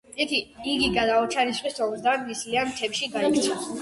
იგი გადაურჩა რისხვის ომს და ნისლიან მთებში გაიქცა.